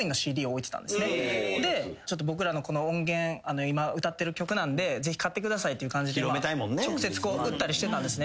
僕らのこの音源今歌ってる曲なんでぜひ買ってくださいという感じで直接売ったりしてたんですね。